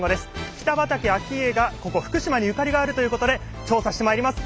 北畠顕家がここ福島にゆかりがあるということで調査してまいります。